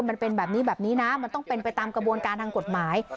มันเป็นแบบนี้แบบนี้นะมันต้องเป็นไปตามกระบวนการทางกฎหมาย